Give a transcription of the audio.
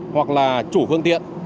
hoặc là chủ phương tiện